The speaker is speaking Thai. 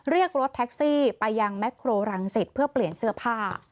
เรียกรถแท็กซี่ไปยังแครรังสิตเพื่อเปลี่ยนเสื้อผ้า